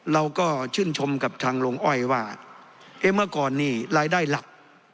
เราก็ชื่นชมกับทางโรงอ้อยว่าเอ๊ะเมื่อก่อนนี่รายได้หลัก